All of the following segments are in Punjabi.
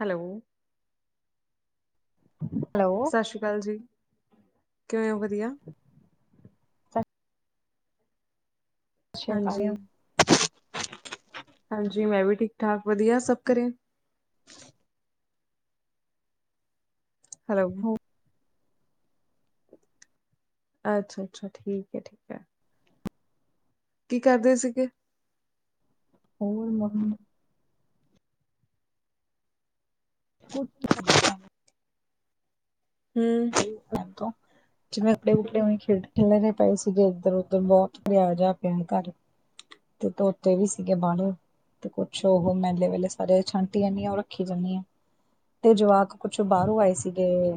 ਹੈਲੋ। ਹੈਲੋ। ਸਾਸ ਸ਼੍ਰੀ ਕਾਲ ਜੀ, ਕਿਵੇਂ ਓ, ਵਧੀਆ? ਸਤਿ ਅੱ ਹਾਂਜੀ, [unintelligible] ਹਾਂਜੀ‌ ਮੈਂ ਵੀ ਠੀਕ-ਠਾਕ ਵਧੀਆ ਸਭ ਘਰੇ [inaudible] ਹੈਲੋ। ਹੋਰ ਅੱਛਾ-ਅੱਛਾ ਠੀਕ ਐ-ਠੀਕ ਐ। ਕੀ ਕਰਦੇ ਸੀਗੇ? ਹੋਰ ਮੰਮ ਕੁੱਛ ਹੂੰ। [unintelligible] ਜਿਵੇਂ ਕੱਪੜੇ-ਕੁੱਪੜੇ ਓਵੇਂ ਖੇਡ-ਖਿਲਰੇ ਪਏ ਸੀਗੇ ਏਧਰ-ਉੱਧਰ, ਬੋਤ ਖਲੇਰਾ ਜੇਆ ਪਿਆ ਸੀ ਕੱਰ ਕੁਛ ਤੋਤੇ ਵੀ ਸੀਗੇ ਬਾਰੋਂ ਤੇ ਕੁੱਛ ਓਹ ਮੈਲੇ ਵੇਲੇ ਸਾਰੇ ਛਾਂਟੀ ਜਾਂਦੀ ਆ, ਓ ਰੱਖੀ ਜਾਂਨੀ ਆ ਤੇ ਜਵਾਕ ਕੁਛ ਬਾਰੋਂ ਆਏ ਸੀਗੇ,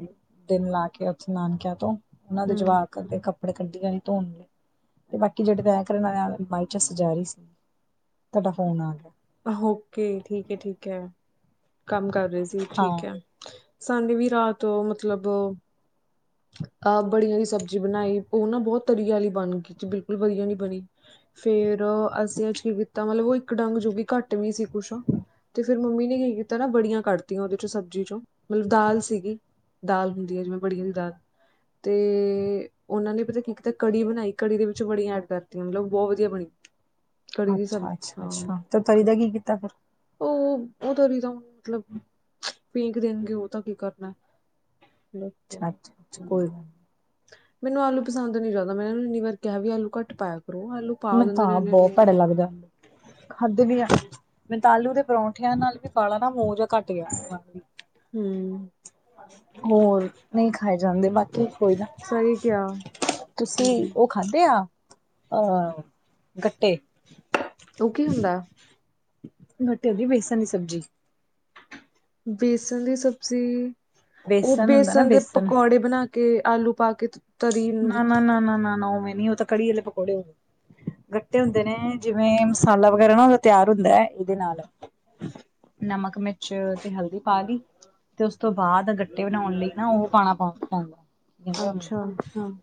ਦਿਨ ਲਾ ਕੇ ਨਾਨਕਿਆਂ ਤੋਂ ਓਨਾਂ ਦੇ ਹੂੰ, ਜੁਆਕਾਂ ਦੇ ਕਰਦੇ ਕੱਪੜੇ ਕੱਢੀ ਜਾਣੀ ਧੋਣ ਲਈ, ਤੇ ਬਾਕੀ ਜੇੜੇ ਤੈ ਕਰਨ ਵਾਲੇ [unintelligible] ਤੇ ਸਜਾ ਰੀ ਸੀ, ਤਾਡਾ ਫ਼ੋਨ ਆ ਗਿਆ। ਹੋਕੇ, ਠੀਕ ਐ-ਠੀਕ ਐ। ਕੰਮ ਕਰ ਰੇ ਸੀ, ਹਾਂ ਠੀਕ ਐ, ਸਾਨੇ ਵੀ ਰਾਤ ਮਤਲਬ ਆਹ ਬੜੀਆਂ ਦੀ ਸਬਜ਼ੀ ਬਣਾਈ ਓਨਾ, ਬੋਤ ਤਰੀ ਆਲੀ ਬਣ ਗਈ ਬਿਲਕੁਲ ਵਦੀਆ ਨੀ ਬਣੀ। ਫੇਰ ਅਸੀਂ ਅੱਜ ਕੀ ਕੀਤਾ ਮਤਲਬ, ਓ ਏਕ ਡੰਗ ਜੋ ਵੀ ਘੱਟ ਵੀ ਸੀ ਕੁੱਛ 'ਤੇ ਫੇਰ ਮੰਮੀ ਨੇ ਕੀ ਕੀਤਾ ਨਾ ਬੜੀਆਂ ਕੱਢ ਤੀਆਂ ਉਦੇ ਚੋਂ ਸਬਜ਼ੀ ਚੋਂ, ਮਤਲਬ ਦਾਲ ਸੀਗੀ। ਦਾਲ ਹੁੰਦੀ ਏ, ਜਿਵੇਂ ਬੜੀਆਂ ਦੀ ਦਾਲ। ਤੇ ਓਨਾਂ ਨੇ ਪਤਾ ਕੀ ਕੀਤਾ ਕੜੀ ਬਣਾਈ, ਕੜੀ ਦੇ ਵਿੱਚੋਂ ਵੜੀਆਂ ਐਡ ਕਰਤੀਆਂ ਮਤਲਬ ਬੋਤ ਵਦੀਆ ਬਣੀ। ਕੜੀ ਦੀ ਸਬਜ਼, ਅੱਛਾ ਅੱਛਾ ਹਾਂ ਅੱਛਾ ਤੇ ਤਰੀ ਕੜੀ ਦਾ ਕੀ ਕੀਤਾ ਫਿਰ ਓ, ਓ ਤਰੀ ਦਾ ਹੁਨ ਮਤਲਬ ਫੇਕ ਦੇਣਗੇ ਓਦਾ ਕੀ ਕਰਨਾ? ਹੈ। ਅੱਛਾ-ਅੱਛਾ-ਅੱਛਾ ਕੋਈ ਗੱਲ ਮੈਨੂੰ ਆਲੂ ਪਸੰਦ ਨੀ ਜਾਦਾ ਮੈਂ ਏਨਾ ਨੂੰ ਏਨੀ ਵਾਰ ਕੇਹਾ ਵੀ ਆਲੂ ਕੱਟ ਪਾਯਾ ਕਰੋ, ਆਲੂ। ਪਾ ਮੈਂਨੂੰ ਤਾਂ ਦਿੰਦੇ ਨੇ ਆਪ ਇਨੇ ਬੋਤ ਨੇ ਭੈੜਾ ਲੱਗਦੇ ਆ ਆਲੂ। ਖਾਧੇ ਵੀ ਆ, ਮੈਂਨੂੰ ਤਾ ਆਲੂ ਦੇ ਪਰੋਠਿਆਂ ਨਾਲ ਵੀ ਬਾੜਾ ਨਾ ਮੂੰਹ ਜੇਹਾ ਕੱਟ ਗਿਆ ਵਨ [unintelligible] ਹੂੰ ਹੋਰ, ਨਈ ਖਾਏ ਜਾਂਦੇ ਬਾਕੀ ਕੋਈ ਨਾ। ਕੇਆ? ਕਿ ਓ ਖਾਧੇ ਆ, ਅਹ। ਗੱਟੇ। ਓ ਕੀ ਹੁੰਦਾ? ਗੱਟੇਆ ਦੀ ਵੇਸਣ ਦੀ ਸਬਜ਼ੀ। ਬੇਸਣ ਦੀ ਸਬਜ਼ੀ, ਓ ਬੇਸਣ ਦੇ ਪਕੌੜੇ ਬਣਾ ਕੇ ਕੇ ਆਲੂ ਪਾ ਕੇ ਤਰੀ ਨੂੰ ਨਾ ਵਿੱਚ ਨਾ ਨਾ ਨਾ ਨਾ, ਉਵੇਂ ਨੀ ਓ ਤਾ ਕੜੀ ਆਲੇ ਪਕੌੜੇ ਹੋਗੇ। ਗੱਟੇ ਹੁੰਦੇ ਨੇ, ਜਿਵੇਂ ਮਸਾਲਾ ਵਗੈਰਾ ਨਾ, ਓਦਾ ਤਿਆਰ ਹੁੰਦੈ ਇਦੇ ਨਾਲ। ਨਮਕ, ਮਿਚ ਤੇ ਹਲਦੀ ਪਾ ਲੀ। ਤੇ ਉਸ ਤੋ ਬਾਅਦ ਗੱਟੇ ਬਨਾਉਣ ਲਈ ਨਾ, ਉਹ ਪਾਣਾ ਪਾਉਂ -ਪਾਉਂਦਾ, ਕੈਂਦੇ ਅੱਛਾ ਉਨੂੰ ਹੰ,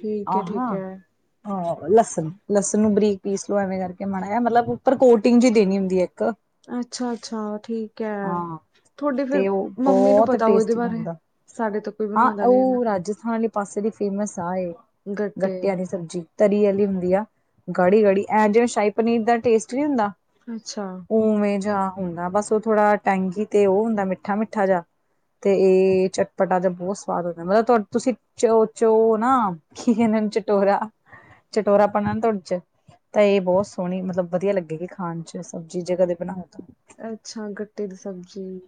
ਠੀਕ ਹੈ ਠੀਕ ਆਹਾ। ਹੈ ਆ, ਲੱਸਣ- ਲੱਸਣ ਨੂੰ ਬਰੀਕ ਪੀਸ ਲੋ ਐਵੇਂ ਕਰਕੇ ਮਾੜਾ ਯਾ, ਮਤਲਬ ਉੱਪਰ ਕੋਟ ਕੀ ਗੱਲ! ਅਛਾ -ਅਛਾ, ਠੀਕ ਐ। ਹਾਂ ਤੁਹਾਡੇ ਫਿਰ, ਤੇ ਉਹ ਮੰਮੀ ਨੂੰ ਬਹੁਤ ਪਤਾ ਹੋ ਓਦੇ ਟੇਸਟੀ ਬਾਰੇ ਬਣਦਾ। ਸਾਡੇ ਤੋ ਹਾਂ, ਔ ਰਾਜਸਥਾਨ ਲੇ ਪਾਸੇ ਦੀ ਫੇਮਸ ਆ ਏ ਗੱਟੇ ਗੱਟਿਆਂ ਦੀ ਸਬਜੀ। ਤਰੀ ਆਲੀ ਹੁੰਦੀ ਆ, ਗਾੜੀ- ਗਾੜੀ। ਐਂ ਜਿਵੇਂ, ਸ਼ਾਈ ਪਨੀਰ ਦਾ ਟੇਸਟ ਨੀ ਹੁੰਦਾ। ਅੱਛਾ। ਉਵੇਂ ਜਾ ਹੁੰਦਾ ਬਸ, ਓ ਥੋੜਾ ਟੈਂਗੀ ਤੇ ਓ ਹੁੰਦਾ ਮਿੱਠਾ- ਮਿੱਠਾ ਜਿਆ। 'ਤੇ ਏ ਚਟਪਟਾ ਜਬ ਬੌਤ ਸਵਾਦ ਹੁੰਦੈ, ਮਤਲਬ ਤੋਡ ਤੁਸੀ, ਚ -ਚੋ ਨਾ ਕੀ ਕੈਂਦੇ, ਚਟੋਰਾ। ਚਟੋਰਾਪਨ ਅੰ ਤੁਆਡ 'ਚ। ਤਾਂ ਏ ਬੌਤ ਸੋਣੀ ਮਤਲਬ ਵਦੀਆ ਲੱਗੇਗੀ ਖਾਣ 'ਚ ਸਬਜੀ ਜੇ ਕਦੇ ਬਣਾਓ ਤਾਂ। ਅੱਸ਼ਾਂ, ਗੱਟੇ ਦੀ ਸਬਜੀ।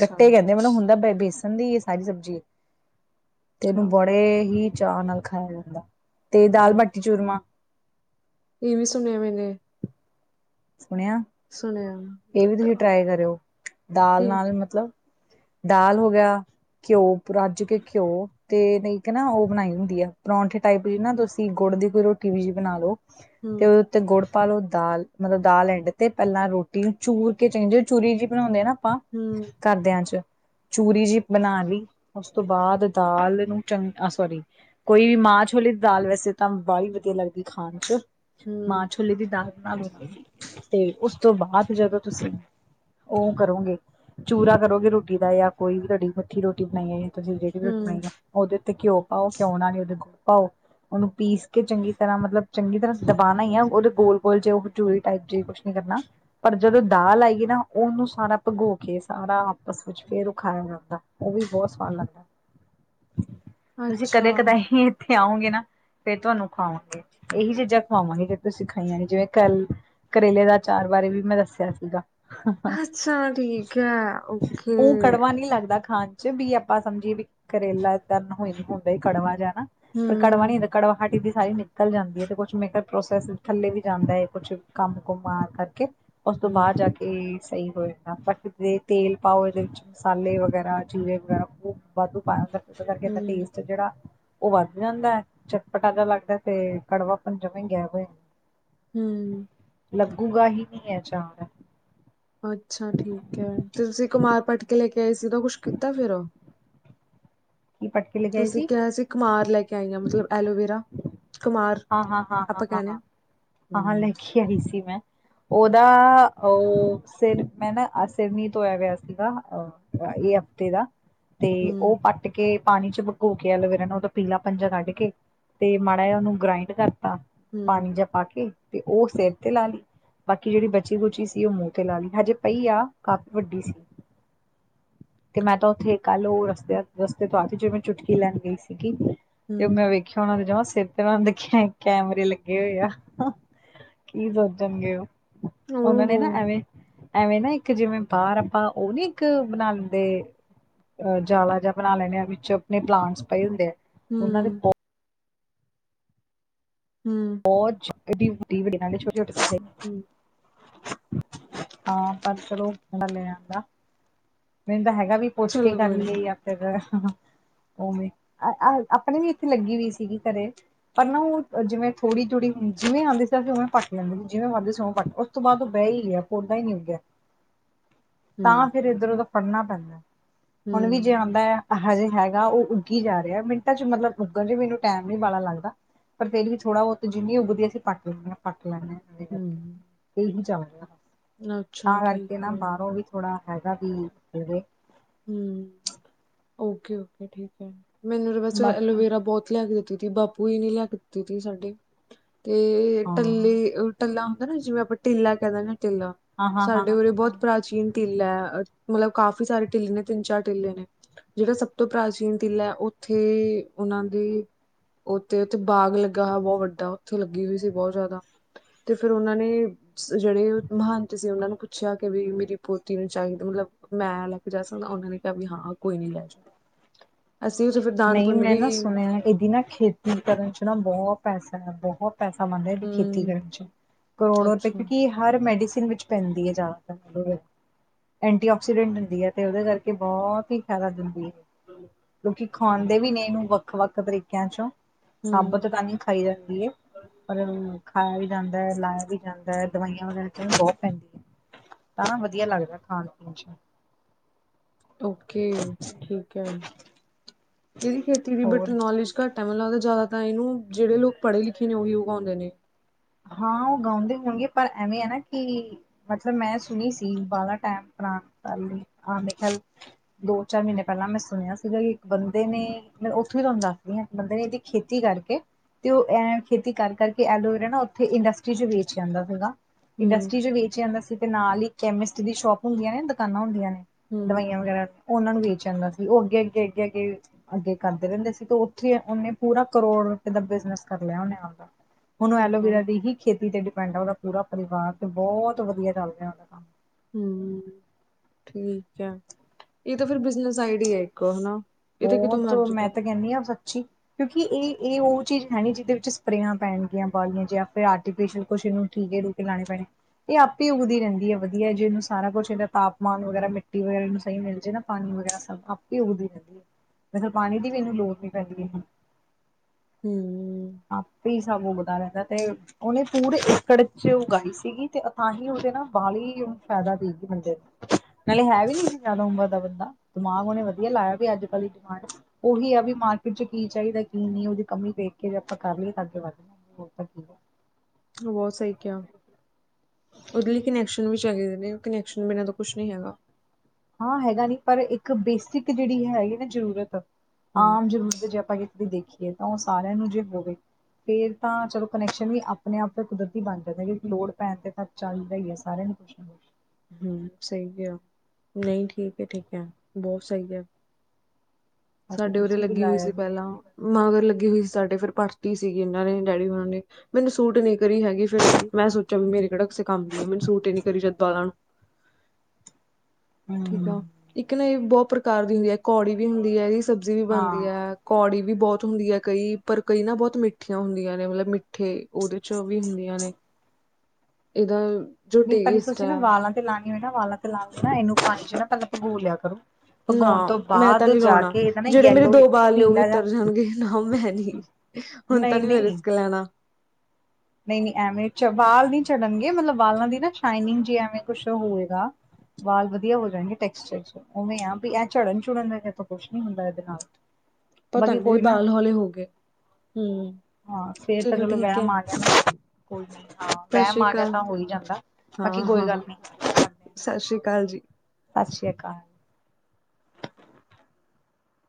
ਗੱਟੇ ਕੈਂਦੇ ਮਲਬ ਹੁੰਦੈ ਬ ਬੇਸਣ ਦੀ ਏ ਸਾਰੀ ਸਬਜੀ, ਤੇ ਉਨੂੰ ਅੱਛਾ ਬੜੇ ਹੀ ਚਾਅ ਨਾਲ ਖਾਇਆ ਜਾਂਦਾ, ਤੇ ਦਾਲ- ਬਾਟੀ- ਚੂਰਮਾ ਏ ਵੀ ਸੁਣਿਐ ਮੈਨੇ। ਸੁਣੇਆ? ਸੁਣੇਆ। ਏ ਵੀ ਤੁਹੀ ਟਰਾਈ ਕਰਿਓ, ਦਾਲ ਕੀ ਨਾਲ ਮਤਲਬ ਦਾਲ ਹੋ ਗਿਆ। ਘਿਓ ਪੂ ਰੱਜ ਕੇ, ਘਿਓ। ਤੇ ਨਈਂ ਤੇ ਨਾ, ਓ ਬਣਾਈ ਹੁੰਦੀ ਆ। ਪਰੌਂਠੇ ਟਾਈਪ ਦੀ ਨਾ, ਤੁਸੀ ਗੁੜ ਦੀ ਕੋਈ ਰੋਟੀ ਵਿੱਚ ਬਣਾ ਲੋ। ਹੂੰ 'ਤੇ ਓਤਤੇ ਗੁੜ ਪਾ ਲੋ ਦਾਲ, ਮਤਲਬ ਦਾਲ ਐਂਡ ਤੇ, ਪੈਲਾਂ ਰੋਟ ਤੇ ਚੂਰ ਕੇ ਚੰਗੀ ਚੂਰੀ ਜਈ ਬਣਾਨੇ ਨਾ ਆਪਾਂ, ਹੂੰ ਘਰਦਿਆਂ 'ਚ। ਚੂਰੀ ਜੀ ਬਣਾ ਲੀ, ਓਸ ਤੋ ਬਾਅਦ ਦਾਲ ਨੂੰ ਚੰਗ, ਅ ਸੋਰੀ ਕੋਈ ਵੀ ਮਾਂਹ- ਛੋਲੇ ਦੀ ਦਾਲ, ਵੈਸੇ ਤਾਂ ਬਾਲੀ ਵਦੀਆ ਲੱਗਦੀ ਖਾਨ 'ਚ। ਹੂੰ ਮਾਂ ਛੋਲੇ ਦੀ ਦਾਲ ਬਣਾ ਲੋ ਤੇ ਉਸ ਤੋ ਬਾਅਦ ਜਦੋ ਤੁਸੀ ਓਂ ਕਰੋਗੇ, ਚੂਰਾ ਕਰੋਗੇ ਰੋਟੀ ਦਾ ਯਾ ਕੋਈ ਵੀ ਤੁਆਡੀ ਮਿੱਠੀ ਰੋਟੀ ਬਣਾਈਏ ਤੁਸੀ ਜੇੜੀ ਰੋਟੀ ਹੂੰ ਬਣਾਈ ਓਦੇ ਤੇ ਘਿਓ ਪਾਓ ਘਿਉ ਨਾਲ ਓਦੇ ਗੁੜ ਪਾਓ ਉਨੂੰ ਪੀਸ ਕੇ ਚੰਗੀ ਤਰ੍ਹਾਂ ਮਤਲਬ ਚੰਗੀ ਤਰ੍ਹਾਂ ਦਬਾਨਾ ਈ ਆ ਉਦੇ ਗੋਲ- ਗੋਲ ਜੇ ਓ ਚੂਰੀ ਟਾਈਪ ਜੇ ਕੁਛ ਨੀ ਕਰਨਾ ਪਰ ਜਦੋ ਦਾਲ ਆਏ ਗੀ ਨਾ ਉਨੂੰ ਸਾਰਾ ਭਗੋ ਕੇ ਸਾਰਾ ਆਪਸ ਵਿੱਚ ਫੇਰ ਓ ਖਾਇਆ ਜਾਂਦਾ। ਓ ਵੀ ਬੌਤ ਸਵਾਦ ਲੱਗ [inaudible] ਤੁਸੀ ਕਦੇ -ਕਦਾਂਈਂ ਇੱਥੇ ਆਓਂਗੇ ਨਾ ਫੇਰ ਤੁਆਨੂੰ ਖਾਵਾਂਗੇ ਏਹੀ ਚੀਜਾਂ ਖਵਾਵਾਂਗੇ ਜੋ ਤੁਸੀ ਖਾਈਆਂ ਨੀ ਜਿਵੇਂ ਕੱਲ ਕਰੇਲੇ ਦਾ ਅਚਾਰ ਬਾਰੇ ਵੀ ਮੈਂ ਦੱਸਿਆ ਸੀਗਾ ਅੱਛਾ ਠੀਕ ਹੈ ਓਕੇ ਓ ਕੜਵਾ ਨੀ ਲੱਗਦਾ ਖਾਣ ਜਬੀ ਆਪਾਂ ਸਮਜੀਏ ਵੀ ਕਰੇਲਾ ਤਰਨ ਹੋਈ ਹੁੰਦਾ ਈ ਕੜਵਾ ਜਾ ਪਰ ਕੜਵਾ ਨੀ ਹੂੰ ਹੁੰਦਾ ਕੜਵਾਹਟ ਏਦੀ ਸਾਰੀ ਨਿਕਲ ਜਾਂਦੀ ਐ ਤੇ ਕੁਛ ਮੇਕਅਪ ਪ੍ਰੋਸੈਸ ਥੱਲੇ ਵੀ ਜਾਂਦਾ ਐ ਕੁਛ ਕੰਮ -ਕੁਮ ਆ ਕਰਕੇ ਉਸ ਤੋ ਹੂੰ ਬਾਅਦ ਜਾ ਕੇ ਏ ਸਈ ਹੋ ਜਾਂਦਾ ਬਟ ਜ ਤੇਲ ਪਾਓ ਇਦੇ ਵਿੱਚ ਮਸਾਲੇ ਵਗੈਰਾ ਚੀਰੇ ਵਗੈਰਾ ਓ ਵਾਧੂ ਪਾਇਆ ਹੁੰਦਾ ਓਦੇ ਕਰਕੇ ਇਦਾ ਹੂੰ ਟੇਸਟ ਜੇੜਾ ਓ ਵੱਧ ਜਾਂਦੈ ਚਟਪਟਾ ਜਾ ਲੱਗਦਾ ਤੇ ਕੜਵਾਪਨ ਜਮਾ ਈ ਗੈਬ ਹੋ ਜਾਂਦੈ। ਹੂੰ। ਲੱਗੂਗਾ ਹੀ ਨਹੀਂ ਹੈ ਚਾਨ ਅੱਛਾ ਠੀਕ ਹੈ ਤੇ ਤੁਸੀਂ ਕੁਮਾਰ ਪੱਟ ਕੇ ਲੈ ਕੇ ਆਏ ਸੀ ਦ ਕੁੱਛ ਕੀਤਾ ਫੇਰ ੳਹ। ਕੀ ਪ [unintelligible] ਤੁਸੀਂ ਕਿਹਾ ਸੀ ਕੁਮਾਰ ਲੈ ਕੇ ਆਈ ਹਾਂ ਮਤਲਬ ਐਲੋਵੇਰਾ। ਕੁਮਾਰ ਹਾਂ-ਹਾਂ- ਆਪਾਂ ਕਹਿੰਦੇ ਹਾਂ ਹਾਂ-ਹਾਂ- ਹਾਂ - ਲੈ ਹੂੰ ਕੇ ਆਈ ਸੀ ਮੈਂ। ਉਹਦਾ ਉਹ ਸਿਰ ਮੈਂ ਨਾ ਅ ਸਿਰਨੀ ਧੋਇਆ ਗਯਾ ਸੀਗਾ ਅ ਇਹ ਹਫ਼ਤੇ ਦਾ ਤੇ ਉਹ ਹੂੰ ਕੱਟ ਕੇ ਪਾਣੀ ਚ ਭਕੋ ਕੇ ਐਲੋਵੇਰਾ ਨੂੰ ਉਹ ਪੀਲਾ ਪੰਜ ਜਾ ਕੱਢ ਕੇ। ਤੇ ਮਾੜਾ ਜਾ ਉਹਨੂੰ ਗ੍ਰਾਇੰਡ ਕਰਤਾ ਹੂੰ ਪਾਣੀ ਜਾਂ ਪਾ ਕੇ ਤੇ ਉਹ ਸਿਰ ਤੇ ਲਾ ਲਈ। ਬਾਕੀ ਜਿਹੜੀ ਬਚੀ ਗੁਚੀ ਸੀ ਉਹ ਮੂੰਹ ਤੇ ਲਾ ਲਈ ਹਜੇ ਪਈ ਆ ਕਾਫ਼ੀ ਵੱਡੀ ਸੀ। ਤੇ ਮੈਂ ਤਾਂ ਉੱਥੇ ਕੱਲ ਉਹ ਰਸਤੇ ਰਸਤੇ ਤੋਂ ਆ ਸੀ ਜ ਮੈਂ ਚੁਟਕੀ ਲੈਣ ਗਈ ਸੀਗੀ। ਤੇ ਹੂੰ ਮੈਂ ਵੇਖਿਆ ਉਹਨਾ ਦੇ ਜਮਾ ਉਹ ਮੈ ਵੇਖਿਆ ਕੈਮਰੇ ਲੱਗੇ ਹੋਏ ਆ ਕੀ ਸੋਚਣਗੇ ਉਹ ਉਹ ਉਹਨਾਂ ਨੇ ਹੋ ਨਾ ਐਵੇਂ ਐਵੇਂ ਨਾ ਇੱਕ ਜਿਵੇਂ ਬਾਰ ਉਹ ਨੀ ਇੱਕ ਬਣਾਦੇ ਅ ਜਾਲਾ ਜਾ ਬਣਾ ਲੈਂਦੇ ਆ ਵਿੱਚ ਆਪਣੇ ਪਲਾਂਟਸ ਪਏ ਹੁੰਦੇ ਆ। ਉਹਨਾਂ ਦੇ ਹੂੰ ਹੂੰ। ਬਹੁਤ ਵੱਡੀ- [unintelligible] ਵੱਡੇੇ ਛੋਟੇ-ਛੋਟੇ ਹੂੰ। ਹਾਂ ਪਰ ਚਲੋਂ ਮੈ ਲੈ ਆਦਾ ਮੈਨੂੰ ਤਾਂ ਹੈਗਾ ਵੀ ਪੁੱਛ ਕੇ ਚਲੋ ਕਰ ਕੋਈ ਨਾ ਲਈਏ ਯਾ ਫੇਰ ਉਵੇਂ ਆਪਣੇ ਵੀ ਇੱਥੇ ਲੱਗੀ ਹੋਈ ਸੀਗੀ ਘਰੇ। ਪਰ ਨਾ ਉਹ ਜਿਵੇਂ ਥੜੀ-ਥੋੜੀ ਜਿਵੇਂ ਉਂਦੀ ਸੀ ਉਵੇ ਪੱਟ ਲੈਂਦੇ ਸੀ ਜਿਵੇਂ ਵੱਧਦੇ ਸੀ ੳਸ ਤੋਂ ਬਾਦ ਬਹ ਹੀ ਗਿਆ ਪੋਦਾ ਹੀ ਨੀ ੳਗੀਆ [unintelligible] ਤਾਂ ਫਿਰ ਇੱਧਰ ਉਦ ਫੜਨਾ ਪੈਂਦਾ ਹੁਣ ਵੀ ਜੇ ਹੂੰ ਆਉਂਦੈ। ਹਾ ਜੀ ਹੈਗਾ ਉਹ ਉੱਗੀ ਜਾ ਰਿਹਾ ਮਿੰਟਾਂ ਚ ਮਤਲਬ ਉੱਗਣ ਜ ਮੈਨੂੰ ਟਾਈਮ ਨੀ ਬਾੜਾ ਲੱਗਦਾ ਪਰ ਫੇਰ ਵੀ ਥੋੜਾ ਬਹੁਤ ਜਿੰਨੀ ਉਗਦੀ ਅਸੀਂ ਪਟ ਲੈਂਦਿਆਂ ਲੈਣੇ। ਹੂੰ ਇਹੀ ਚੱਲਗਾ ਬ - [unintelligible] ਅੱਛਾ -ਤਾਂ ਠੀਕ ਕਰਕੇ ਨਾ ਹੈ ਬਾਹਰੋਂ ਵੀ ਥੋੜ੍ਹਾ ਹੈਗਾ ਵੀ ਹੂੰ ਓਕੇ, ਓਕੇ ਠੀਕ ਹੈ। ਮੈਨੂੰ ਬਸ ਬਾਕੀ ਐਲੋਵੇਰਾ ਬਹੁਤ ਲੈ ਕੇ ਦਿੱਤੀ ਤੀ ਬਾਪੂ ਹੀ ਨੀ [unintelligible] ਲੈ ਕੇ ਦਿੱਤੀ ਤੀ ਸਾਡੇ ਤੇ ਹਾਂ ਟੱਲੀ ਟਿੱਲਾ ਹੁੰਦਾ ਨਾ ਜਿਵੇਂ ਆਪਾਂ ਟਿੱਲਾ ਕਹਿ ਦਿੰਦੇ ਹਾਂ ਲਾ ਹਾਂ ਹਾਂ ਹਾਂ ਸਾਡੇ ਉਰੇ ਹਾਂ ਬਹੁਤ ਪ੍ਰਾਚੀਨ ਟਿੱਲਾ ਹੈ ਮਤਲਬ ਕਾਫੀ ਸਾਰੇ ਟਿੱਲੇ ਨੇ ਤਿੰਨ-ਚਾਰ ਟਿੱਲੇ ਨੇ। ਜਿਹੜਾ ਸਭ ਤੋਂ ਪ੍ਰਾਚੀਨ ਤਿਲ ਹੈ ਉੱਥੇ ਉਹਨਾਂ ਦੀ ਉੱਥੇ ਉੱਥੇ ਬਾਗ ਲੱਗਾ ਹੋਆ ਬਹੁਤ ਵੱਡਾ ਉੱਥੇ ਲੱਗੀ ਹੋਈ ਸੀ ਬਹੁਤ ਜ਼ਿਆਦਾ। ਤੇ ਫੇਰ ਉਹਨਾਂ ਨੇ ਜਿਹੜੇ ਮਹੰਤ ਸੀ ਉਹਨਾਂ ਨੂੰ ਪੁੱਛਿਆ ਕਿ ਵੀ ਮੇਰੀ ਪੋਤੀ ਨੂੰ ਚਾਹੀਦਾ ਮਤਲਬ ਜਾ ਸਕਦਾ ਉਹਨਾਂ ਨੇ ਕਿਹਾ ਹਾਂ ਕੋਈ ਨੀ ਲੈ ਜਾਓ। ਅਸੀਂ ਉਥੇ ਫਿਰ ਦਾਨ ਨਹੀਂ ਪੁੰਨ ਮੈਂ ਵੀ ਨਾ ਸੁਣਿਆ ਇਹਦੀ ਨਾ ਖੇਤੀ ਕਰਨ ਚ ਨਾ ਬਹੁਤ ਪੈਸਾ ਹੈ ਬਹੁਤ ਪੈਸਾ ਮੰਨਦਾ ਖੇਤੀ ਹੂੰ ਕਰਨ ਚ ਕਰੋੜੋ ਰੁਪਏ ਅੱਛਾ ਕਿਉਂਕਿ ਹਰ ਮੈਡੀਸਨ ਵਿੱਚ ਪੈਂਦੀ ਹੈ ਜ਼ਿਆਦਾਤਰ ਐਂਟੀ ਆਕਸੀਡੈਂਟ ਹੁੰਦੀ ਹੈ ਤੇ ਉਹਦੇ ਕਰਕੇ ਬਹੁਤ ਹੀ ਫਾਇਦਾ ਦਿੰਦੀ ਏ। ਹੂੰ। ਲੋਕਿ ਖਾਂਦੇ ਵੀ ਨੇ ਏਨੂੰ ਵੱਖ- ਵੱਖ ਤਰੀਕੇਆਂ ਚੋਂ, ਸਾਬਤ ਹੂੰ ਤਾਂ ਨਈ ਖਾਈ ਜਾਂਦੀ ਏ। ਪਰ ਹੁਨ ਖਾਏਆ ਵੀ ਜਾਂਦਾ, ਲਾਏਆ ਵੀ ਜਾਂਦਾ, ਦਵਾਈਆਂ ਵਗੈਰਾ ਚ ਹੁਨ ਬੋਤ ਪੇਂਦੀ ਆਂ। ਤਾਂਵੀ ਵੱਧੀਆ ਲੱਗਦਾ ਖਾਣ ਪੀਣ ਚ। ਓਕੇ ਠੀਕ ਐ ਹੁਨ, ਏਦੀ ਖੇਤੀ ਵੀ ਬਟ ਹੋਰ ਨੋਲੇਜ ਘੱਟ ਆ ਮੈਨੂੰ ਲੱਗਦਾ ਜ਼ਾਦਾ ਤਾਂ ਏਨੂੰ ਜੇੜੇ ਲੋਕ ਪੜ੍ਹੇ ਲਿਖੇ ਨੇ ਓਹੀ ਓਗਾਉਂਦੇ ਨੇ। ਹਾਂ ਓਗਾਉਂਦੇ ਹੋਣਗੇ ਪਰ ਐਵੇਂ ਆ ਨਾ ਕਿ ਮਤਲਬ ਮੈਂ ਸੁਣੀ ਸੀ ਬਾਲਾ ਟਾਈਮ ਆਪਣਾ ਪੇਲੇ ਆ ਮੇਰੇ ਖਿਆਲ ਦੋ ਚਾਰ ਮੀਨੇ ਪੇਲਾਂ ਮੈਂ ਸੁਣੇਆ ਸੀਗਾ ਕਿ ਇੱਕ ਬੰਦੇ ਨੇ ਮੈਂ ਉੱਥੋਂ ਈ ਤੁਆਨੂੰ ਮੈ ਦੱਸਦੀ ਆ ਬੰਦੇ ਨੇ ਏਦੀ ਖੇਤੀ ਕਰਕੇ ਤੇ ਓ ਐ ਖੇਤੀ ਕਰ-ਕਰਕੇ ਐਲੋਵੇਰਾ ਨਾ ਓ ਤੇ ਇੰਡਸਟਰੀ ਚ ਵੇਚ ਜਾਂਦਾ ਸੀਗਾ, ਹੂੰ ਇੰਡਸਟਰੀ ਚ ਵੇਚ ਜਾਂਦਾ ਸੀ ਤੇ ਨਾਲ ਈ ਕੈਮਿਸਟ ਦੀ ਸ਼ੋਪ ਹੁੰਦੀਆ ਨੇ ਦੁਕਾਨਾਂ ਹੁੰਦੀਆਂ ਨੇ, ਹੂੰ ਦਵਾਈਆਂ ਵਗੈਰਾ ਦੀਆ ਓਨਾ ਨੂੰ ਵੇਚ ਆਂਦਾ ਸੀ ਓ ਅੱਗੇ- ਅੱਗੇ -ਅੱਗੇ-ਅੱਗੇ ਅੱਗੇ ਕਰਦੇ ਰੇਂਦੇ ਸੀ ਤੇ ਓੱਥੇ ਓਨੇ ਪੂਰਾ ਕਰੋੜ ਰੁਪਏ ਦਾ ਬਿਜਨਸ ਕਰ ਲੇਆ ਓਨੇ ਆਪਦਾ। ਹੁਨ ਹਾਂ, ਐਲੋਵਰਾ ਦੀ ਹੀ ਖੇਤੀ ਤੇ ਡਿਪੈਂਡ ਆ ਓਦਾ ਪੂਰਾ ਪਰਿਵਾਰ ਤੇ ਬੋਤ ਵੱਧੀਆ ਚੱਲ ਰੇਆ ਓਦਾ ਕੰਮ। ਹੂੰ ਠੀਕ ਆ ਏ ਤਾਂ ਫਿਰ ਬਿਜਨਸ ਆਈਡੀਆ ਇੱਕ, ਹਨਾ? ਇਹ ਤਾਂ ਕਿਤੋਂ ਬੋਹਤ ਮਰਜ਼ੀ ਮੈਂ ਕਰੋ ਤੇ ਕੇਨੀ ਆ ਸੱਚੀ ਕਿਉਂਕਿ ਏ- ਏ ਓ ਚੀਜ਼ ਹੈਨੀ ਜਿਦੇ ਵਿੱਚ ਸਪਰੇਆਂ ਪੈਣਗੀਆਂ ਵਾਲੀਆਂ ਜਾਂ ਫਿਰ ਆਰਟੀਫਿਸ਼ਅਲ ਕੁਛ ਏਨੂੰ ਟੀਕੇ-ਟੂਕੇ ਲਾਣੇ ਪੈਣੇ। ਏ ਆਪੇ ਈ ਉੱਗਦੀ ਰੇਂਦੀ ਐ ਵੱਧੀਆ ਜੇ ਏਨੂੰ ਸਾਰਾ ਕੁਛ ਏਦਾ ਤਾਪਮਾਨ ਵਗੈਰਾ ਮਿੱਟੀ ਵਗੈਰਾ ਏਨੂੰ ਸਈ ਮਿਲ ਜੇ ਨਾ, ਪਾਣੀ ਵਗੈਰਾ ਸਭ ਆਪੇ ਈ ਉੱਗਦੀ ਰੇਂਦੀ ਐ। ਵੈਸੇ ਪਾਣੀ ਦੀ ਵੀ ਏਨੂੰ ਲੋੜ ਨੀ ਪੈਂਦੀ ਪਈ ਹੁਨ। ਹੂੰ। ਆਪੀ ਸਬ ਉੱਗਦਾ ਰੇਂਦਾ ਤੇ ਓਨੇ ਪੂਰੇ ਏਕੜ ਚ ਉਗਾਈ ਸੀਗੀ ਤੇ ਤਾਂਹੀ ਓਦੇ ਨਾ ਬਾਹਲੀ ਓਨੂੰ ਫੈਦਾ ਦੇਗੀ ਬੰਦੇ ਨੂੰ। ਨਾਲੇ ਹੈ ਵੀ ਨੀ ਸੀ ਜ਼ਾਦਾ ਉਮਰ ਦਾ ਬੰਦਾ ਦਿਮਾਗ ਓਨੇ ਵੱਧੀਆ ਲਾਏਆ ਵੀ ਅੱਜ-ਕੱਲ ਦੀ ਡਿਮਾਂਡ ਓਹੀ ਆ ਵੀ ਮਾਰਕੀਟ ਚ ਕੀ ਚਾਈਦਾ ਕੀ ਨਈ ਓਦੀ ਕਮੀ ਵੇਖ ਕਿ ਜੇ ਆਪਾਂ ਕਰ ਨੀ ਸਕਦੇ ਵੱਧ ਬਣਾਈਏ ਹੋਰ ਤਾਂ ਕੀ ਆ। ਤੂ ਬੋਤ ਸਈ ਕੇਆ। ਓਦੇ ਲਈ ਕਨੈਕਸ਼ਨ ਵੀ ਚਾਹੀਦੇ ਨੇ ਕਨੈਕਸ਼ਨ ਬਿਨਾਂ ਤਾਂ ਕੁਛ ਨਈ ਹੈਗਾ। ਹਾਂ ਹੈਗਾ ਨੀ ਪਰ ਏਕ ਬੇਸਿਕ ਜੇੜੀ ਹੈਗੀ ਨਾ ਜ਼ਰੂਰਤ, ਹੂੰ ਆਮ ਜਰੂਰਤ ਜੇ ਆਪਾਂ ਵੀ ਦੇਖੀਏ ਤਾਂ ਓ ਸਾਰੇਆਂ ਨੂੰ ਜੇ ਹੋਵੇ। ਫੇਰ ਤਾਂ ਚਲੋ ਕਨੈਕਸ਼ਨ ਵੀ ਆਪਣੇ- ਆਪ ਅ ਕੁਦਰਤੀ ਬਣ ਜਾਂਦਾ ਕਿਉਂਕ ਲੋੜ ਪੈਣ ਤੇ ਤਾਂ ਚੱਲਦਾ ਈ ਐ ਸਾਰੇਆਂ ਨੂੰ। ਕੁਛ ਨਾ ਕੁਛ ਹੂੰ, ਸਈ ਕੇਆ ਨਈ ਠੀਕ ਐ ਠੀਕ ਐ ਬੋਤ ਸਈ ਕੇਆ। ਬਾਕੀ ਸਾਡੇ ਉਰੇ ਤੁਸੀਂ ਵੀ ਲੱਗੀ ਹੋਈ ਲਾਇਆ ਸੀ ਜੇ। ਪੇਲਾ ਮਗਰ ਲੱਗੀ ਹੋਈ ਸੀ ਸਾਡੇ ਫਿਰ ਪੱਟਤੀ ਸੀ ਏਨਾਂ ਨੇ ਡੈਡੀ ਹੁਨਾ ਨੇ, ਹ- ਮੈਨੂੰ ਸੂਟ ਨੀ ਕਰੀ ਹੈਗੀ ਫੇਰ ਮੈਂ ਸੋਚੇਆ ਵੀ ਮੇਰੇ ਕੇੜਾ ਕਿਸੇ ਕੰਮ ਦੀ ਆ, ਮੈਨੂੰ ਸੂਟ ਨੀ ਕਰੀ ਜਿਦਾ ਨਾ। ਠੀਕ ਹੂੰ, ਆ, ਇੱਕ ਨਾ ਏ ਬੋਤ ਪ੍ਰਕਾਰ ਦੀ ਹੁੰਦੀ ਐ ਕੋੜੀ ਵੀ ਹੁੰਦੀ ਐ, ਏਦੀ ਸਬਜ਼ੀ ਵੀ ਬਣਦੀ ਹਾਂ। ਐ। ਕੌੜੀ ਵੀ ਬੌਤ ਹੁੰਦੀ ਐ ਕਈ ਪਰ ਕਈ ਨਾ ਬੋਤ ਮਿੱਠੀਆਂ ਹੁੰਦੀਆਂ ਨੇ ਮਤਲਬ ਮਿੱ ਠੇ, ਓਦੇ ਚੋ ਵੀ ਹੁੰਦੀਆਂ ਨੇ, ਏਦਾ ਜੋ ਨਹੀਂ ਪਰ ਟੇਸਟ ਤੁਸੀਂ ਨਾ ਆ ਵਾਲਾਂ ਤੇ ਲਾਣੀ ਹੋਏ ਨਾ ਵਾਲਾਂ ਤੇ ਲਾਨ ਲਈ ਨਾ ਏਨੂੰ ਪਾਣੀ ਚ ਨਾ ਪੇਲਾ ਭਗੋ ਲੇਆ ਕਰੋ। ਨਾ ਭਗਾਉਣ ਤੋਂ ਮੈਂ ਤਾਂ ਬਾਅਦ ਨੀ ਜਾ ਲੌਣਾ ਕੇ ਇਹਦਾ ਨਾ ਜੇੜੇ ਮੇਰੇ ਯੈਲੋ ਦੋ ਬਾਲ ਨੇ ਓ ਵੀ ਪੀਲਾ ਜਾ ਉਤਰ ਜਾਣਗੇ ਨਾ ਮੈਂ ਨੀ। ਹੁਣ ਤਾਂ ਨੀ ਮੈਂ ਨਹੀਂ-ਨਹੀਂ ਰਿਸਕ ਲੈਣਾ। ਨਈ-ਨਈ ਐਵੇਂ ਚ ਵਾਲ ਨੀ ਝੜਨਗੇ ਮਤਲਬ ਵਾਲਾਂ ਦੀ ਨਾ ਸ਼ਾਈਨਿੰਗ ਜੀ ਐਵੇਂ ਕੁਛ ਹੋਏਗਾ। ਵਾਲ ਵੱਧੀਆ ਹੋ ਜਾਏਗੇ ਟੈਕਸਚਰ ਚ। ਓਵੇਂ ਆ ਬੀ ਐ, ਝੜਨ-ਝੁੜਣ ਦਾ ਤਾਂ ਕੁਛ ਨੀ ਹੁੰਦਾ ਏਦੇ ਨਾਲ। ਪਤਾ ਬਾਕੀ ਨੀ ਮੇਰੇ ਕੋਈ ਨਾ। ਬਾਲ ਹੌਲੇ ਹੋ ਗਏ ਹੂੰ ਹਾਂ, ਫੇਰ ਤਾਂ ਚਲੋ ਠੀਕ ਹੈ ਵਹਿਮ ਆ ਗਿਆ। ਕੋਈ ਨੀ ਹਾਂ, ਸਤਿ ਵੈਮ ਸ੍ਰੀ ਆ ਜਿਆ ਅਕਾਲ ਤਾਂ ਹੋ ਈ ਜਾਂਦਾ। ਬਾਕੀ ਕੋਈ ਗੱਲ ਨੀ ਸਾਸਰੀ ਕਾਲ ਜੀ। ਸਾਸਰੀ ਅਕਾਲ।